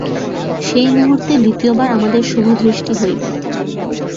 সেই মুহূর্তে দ্বিতীয়বার আমাদের শুভদৃষ্টি হইবে।